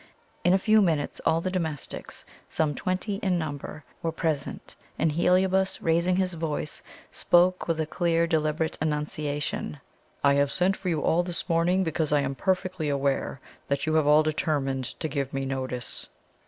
In a few minutes all the domestics, some twenty in number, were present, and Heliobas, raising his voice, spoke with a clear deliberate enunciation: "I have sent for you all this morning, because I am perfectly aware that you have all determined to give me notice."